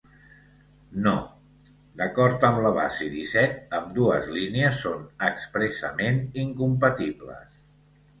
No, d'acord amb la base disset ambdues línies són expressament incompatibles.